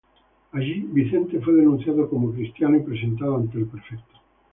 Allí Vicente fue denunciado como cristiano y presentado ante el prefecto.